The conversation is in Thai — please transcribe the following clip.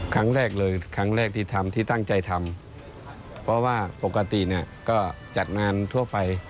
ครั้งแรกเลยครั้งแรกที่ทำที่ตั้งใจทำเพราะว่าปกติเนี่ยก็จัดงานทั่วไป